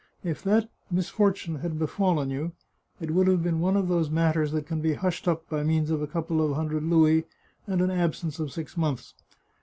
If that misfor tune had befallen you, it would have been one of those matters that can be hushed up by means of a couple of hun dred louis and an absence of six months.